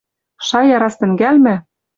Шая раз тӹнгӓлмӹ